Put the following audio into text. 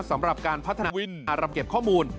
สำหรับการพัฒนาวินอารับเก็บข้อมูล